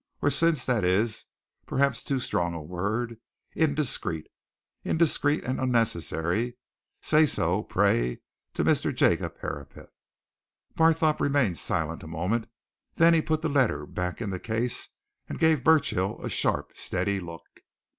Or, since that is, perhaps, too strong a word indiscreet. Indiscreet and unnecessary. Say so, pray, to Mr. Jacob Herapath." Barthorpe remained silent a moment; then he put the letter back in the case and gave Burchill a sharp steady look.